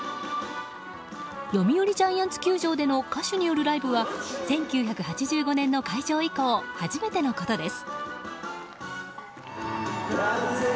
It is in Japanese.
読売ジャイアンツ球場での歌手によるライブは１９８５年の開場以降初めてのことです。